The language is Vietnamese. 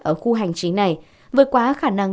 ở khu hành trí này với quá khả năng